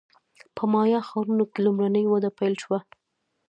په مایا ښارونو کې لومړنۍ وده پیل شوه